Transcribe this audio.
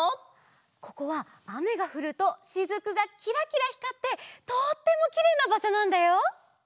ここはあめがふるとしずくがキラキラひかってとってもきれいなばしょなんだよ！